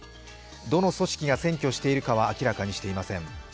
どの組織が占拠しているかは明らかにしていません。